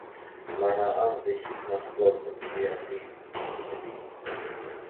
Meiner Ansicht nach sollten wir dies unbedingt.